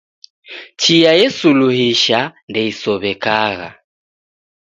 Chia yesuluhisha ndeisow'ekagha